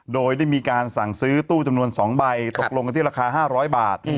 โดยได้มีการสั่งซื้อตู้จำนวน๒ใบตกลงกันที่ราคา๕๐๐บาท